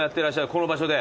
この場所で？